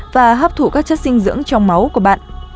và hấp thủ các chất sinh dưỡng trong máu của bạn